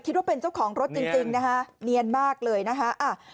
คิดว่าเป็นเจ้าของรถจริงนะคะเนียนมากเลยนะคะ